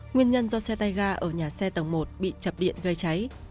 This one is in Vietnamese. nguyên nhân do xe tay ga ở nhà xe tầng một bị chập điện gây cháy